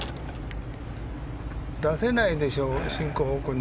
出せないでしょう、進行方向に。